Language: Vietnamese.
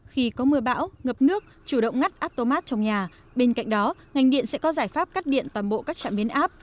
khi có mưa bão ngập nước chủ động ngắt áp tố mát trong nhà bên cạnh đó ngành điện sẽ có giải pháp cắt điện toàn bộ các trạm biến áp